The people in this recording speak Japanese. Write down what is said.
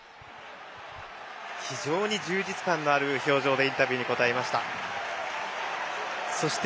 非常に充実感のある表情でインタビューに応えてくれました。